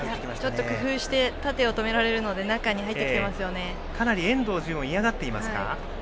ちょっと工夫して縦を止められるのでかなり遠藤純を嫌がっています。